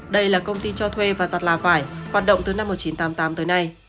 đây là công ty cho thuê và giặt là vải hoạt động từ năm một nghìn chín trăm tám mươi tám tới nay